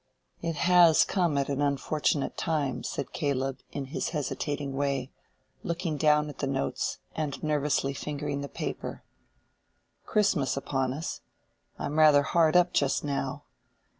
"It has come at an unfortunate time," said Caleb, in his hesitating way, looking down at the notes and nervously fingering the paper, "Christmas upon us—I'm rather hard up just now.